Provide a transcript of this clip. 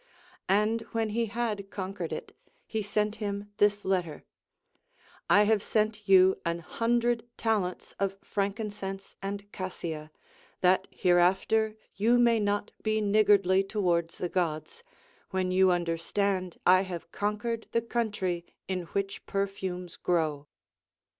And when he had conquered it, he sent him this letter : I have sent you an hundred talents of frankincense and cassia, that hereafter you may not be niggardly towards the Gods, when you understand I have conquered the country in which perfumes grow.